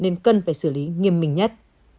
nguyễn võ quỳnh trang đã được xử lý nghiêm minh nhất